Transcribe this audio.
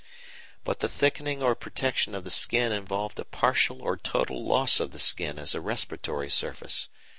But the thickening or protection of the skin involved a partial or total loss of the skin as a respiratory surface.